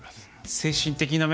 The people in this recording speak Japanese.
精神的な面。